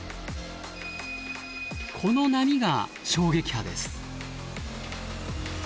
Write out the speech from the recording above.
この波が衝撃波です。